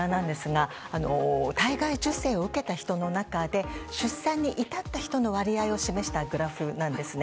体外受精を受けた人の中で出産に至った人の割合を示したグラフなんですね。